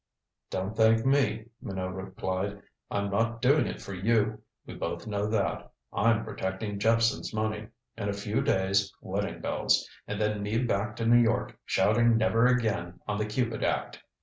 "Don't thank me," Minot replied. "I'm not doing it for you we both know that. I'm protecting Jephson's money. In a few days, wedding bells. And then me back to New York, shouting never again on the Cupid act.